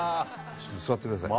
ちょっと座ってください。